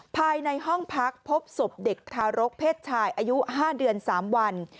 ภายในห้องพักพบศพเด็กทารกเพศชายอายุ๕เดือน๓วัน